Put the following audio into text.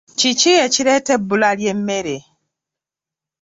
Kiki ekireeta ebbula ly'emmere?